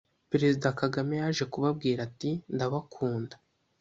Perezida Kagame yaje kubabwira ati ndabakunda